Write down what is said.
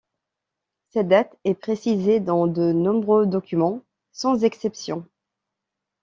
Cette date est précisée dans de nombreux documents, sans exception.